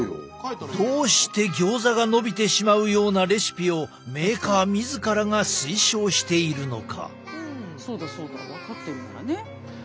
どうしてギョーザがのびてしまうようなレシピをメーカー自らが推奨しているのか。